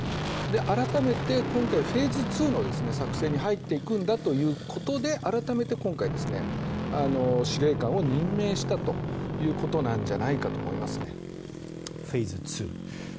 改めて、今回フェーズ２の作戦に入っていくんだということで改めて今回、司令官を任命したということなんじゃないかとフェーズ２。